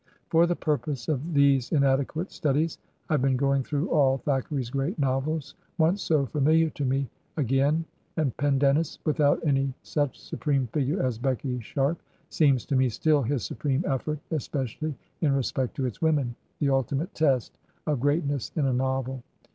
For the purpose of these inadequate studies I have been going through all Thackeray's great novels (once so familiar to me) again, and " Pen dennis," without any such supreme figure as Becky Sharp, seems to me still his supreme effort, especially in respect to its women, the ultimate test of greatness in a novel.